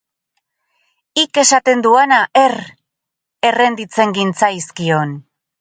Hik esaten duana, Herr!, errenditzen gintzaizkion.